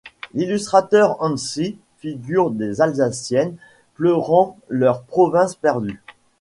L'illustrateur Hansi figure des Alsaciennes pleurant leur province perdue.